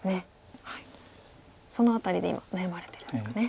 その辺りで今悩まれてるんですかね。